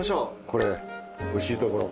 これおいしいところ。